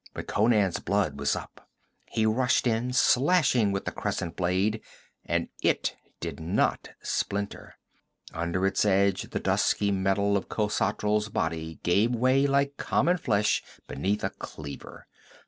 But Conan's blood was up. He rushed in, slashing with the crescent blade. And it did not splinter. Under its edge the dusky metal of Khosatral's body gave way like common flesh beneath a cleaver.